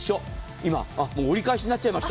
今、あ、もう折り返しになっちゃいました。